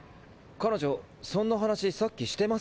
彼女そんな話さっきしてませんでしたが？